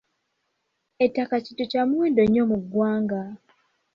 Ettaka kintu kya muwendo nnyo mu ggwanga.